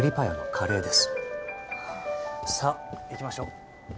さあ行きましょう。